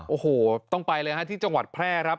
โอ้โหต้องไปเลยฮะที่จังหวัดแพร่ครับ